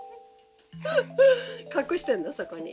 隠してるんだそこに。